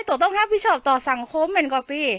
ตัวต้องมีพิชวกต่อสังคมเปนก่อปี